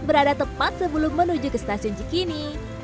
berada tepat sebelum menuju ke stasiun cikini